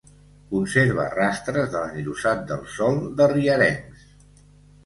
Conserva rastres de l'enllosat del sòl, de rierencs.